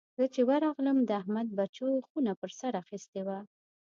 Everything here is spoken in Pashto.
زه چې ورغلم؛ د احمد بچو خونه پر سر اخيستې وه.